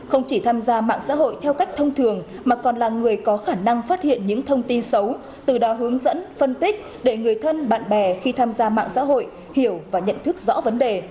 không chỉ tham gia mạng xã hội theo cách thông thường mà còn là người có khả năng phát hiện những thông tin xấu từ đó hướng dẫn phân tích để người thân bạn bè khi tham gia mạng xã hội hiểu và nhận thức rõ vấn đề